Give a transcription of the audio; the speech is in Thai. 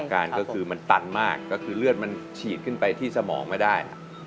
การก็คือมันตันมากก็คือเลือดมันฉีดขึ้นไปที่สมองไม่ได้